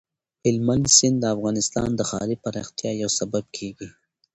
هلمند سیند د افغانستان د ښاري پراختیا یو سبب کېږي.